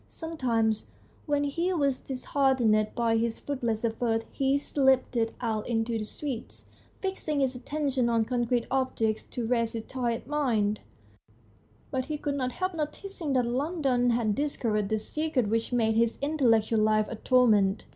Sometimes when he was dis heartened by his fruitless efforts he slipped out into the streets, fixing his attention on concrete objects to rest his tired mind. But he could not help noticing that London had discovered the secret which made his intel lectual life a torment.